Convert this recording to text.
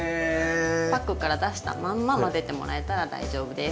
パックから出したまんま混ぜてもらえたら大丈夫です。